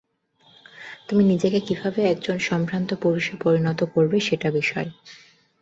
তুমি নিজেকে কিভাবে একজন সম্ভ্রান্ত পুরুষে পরিণত করবে সেটা বিষয়।